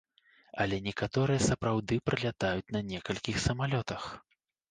Але некаторыя сапраўды прылятаюць на некалькіх самалётах.